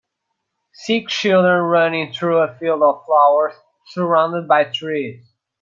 Six children running through a field of flowers surrounded by trees.